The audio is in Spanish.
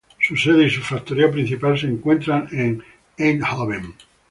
Su sede y su factoría principal se encuentran en Eindhoven.